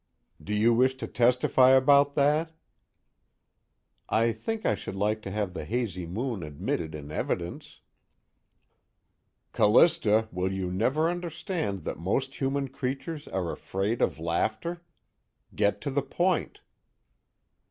_ DO YOU WISH TO TESTIFY ABOUT THAT? I think I should like to have the hazy moon admitted in evidence. _CALLISTA, WILL YOU NEVER UNDERSTAND THAT MOST HUMAN CREATURES ARE AFRAID OF LAUGHTER? GET TO THE POINT.